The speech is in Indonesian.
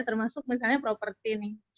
termasuk misalnya properti